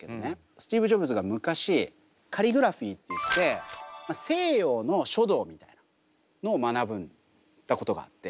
スティーブ・ジョブズが昔カリグラフィーっていって西洋の書道みたいなのを学んだことがあって。